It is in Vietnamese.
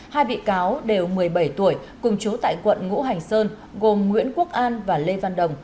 hai bị cáo đều một mươi bảy tuổi cùng chú tại quận ngũ hành sơn gồm nguyễn quốc an và lê văn đồng